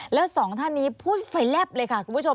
แล้วสองท่านนี้พูดไฟแลบเลยค่ะคุณผู้ชม